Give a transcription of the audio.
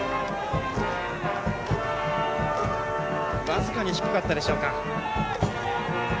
僅かに低かったでしょうか。